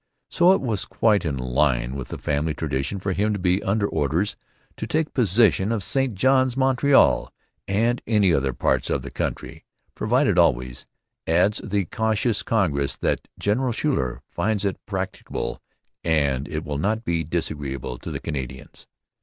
] So it was quite in line with the family tradition for him to be under orders to 'take possession of St Johns, Montreal, and any other parts of the country,' provided always, adds the cautious Congress, that 'General Schuyler finds it practicable, and that it will not be disagreeable to the Canadians.'